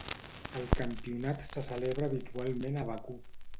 El campionat se celebra habitualment a Bakú.